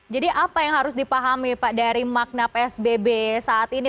jadi apa yang harus dipahami pak dari makna psbb saat ini